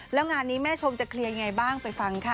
แล้วงานนี้แม่ชมจะเคลียร์ยังไงบ้างไปฟังค่ะ